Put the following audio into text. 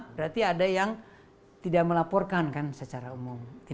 maka itu makanya yang tidak melaporkan kan secara umum